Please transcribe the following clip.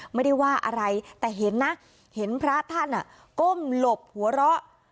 ไม่ได้ว่าอะไรแต่เห็นนะเห็นพระท่านก้มหลบหัวเราะ